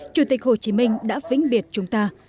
chủ tịch hồ chí minh đã vĩnh biệt chúng ta